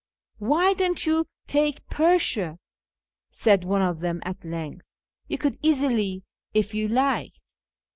" Why don't you take Persia ?" said one of them at length :" you could easily if you liked."